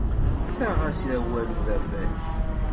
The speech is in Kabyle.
Ttaɣ-as awal i baba-k.